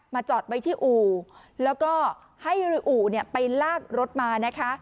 มาจอดไว้ที่อู่แล้วก็ให้อู่เนี่ยไปลากรถมานะคะ